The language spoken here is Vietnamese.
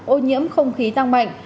ô nhiễm không khí tăng mạnh